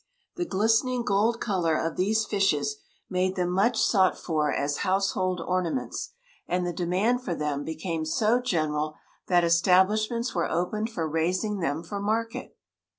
The glistening gold color of these fishes made them much sought for as household ornaments, and the demand for them became so general that establishments were opened for raising them for the market.